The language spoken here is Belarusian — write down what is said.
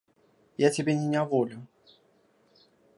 Я цябе не няволю.